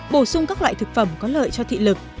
bổ sung các loại thực phẩm có lợi cho thị lực